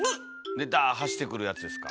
でダーッ走ってくるやつですか。